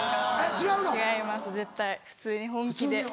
違います絶対普通に本気で。